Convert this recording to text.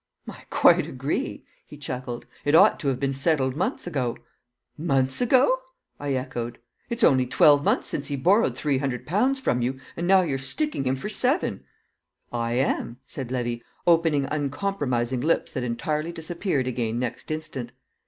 "I quite agree," he chuckled. "It ought to 'ave been settled months ago." "Months ago?" I echoed. "It's only twelve months since he borrowed three hundred pounds from you, and now you're sticking him for seven!" "I am," said Levy, opening uncompromising lips that entirely disappeared again next instant.